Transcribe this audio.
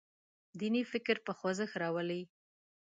دیني فکر په خوځښت راولي.